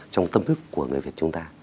trong tâm thức của người việt chúng ta